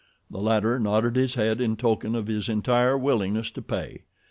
The latter nodded his head in token of his entire willingness to pay.